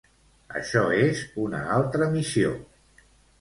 Això és una altra missió.